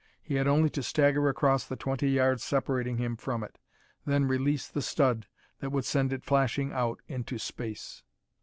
He had only to stagger across the twenty yards separating him from it, then release the stud that would send it flashing out into space.